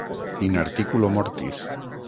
In articulo mortis.